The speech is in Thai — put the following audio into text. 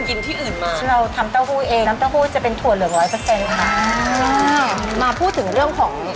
ยังไม่จุออนุไปต่อแล้วนะ